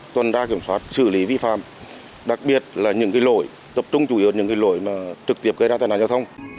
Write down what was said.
tôn đa kiểm soát xử lý vi phạm đặc biệt là những cái lỗi tập trung chủ yếu ở những cái lỗi mà trực tiếp gây ra tai nạn giao thông